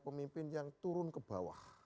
pemimpin yang turun ke bawah